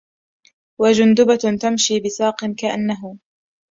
وجندبة تمشي بساق كأنه